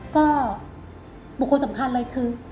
ก็บุคคลสำคัญเลยคือ